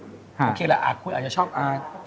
โอเคละอาจารย์ชอบอาจ